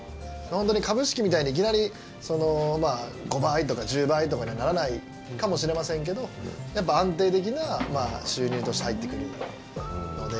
本当に株式みたいにいきなり５倍とか１０倍とかにはならないかもしれませんけどもやっぱり安定的な収入として入ってくるので。